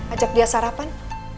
ajak dia sarapan